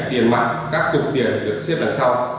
tiền mạng các cục tiền được xếp đằng sau